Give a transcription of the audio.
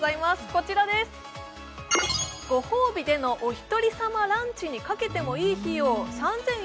こちらですご褒美でのおひとり様ランチにかけてもいい費用